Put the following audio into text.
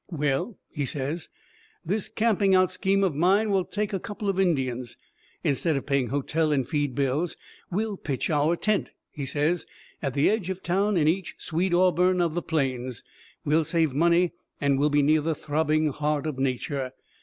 "Well," he says, "this camping out scheme of mine will take a couple of Indians. Instead of paying hotel and feed bills we'll pitch our tent," he says, "at the edge of town in each sweet Auburn of the plains. We'll save money and we'll be near the throbbing heart of nature.